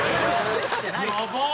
やばっ！